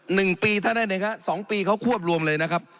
หนึ่งปีเท่านั้นเองครับสองปีเขาควบรวมเลยนะครับ